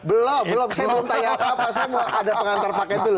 belum belum saya belum tanya apa apa saya mau ada pengantar paket dulu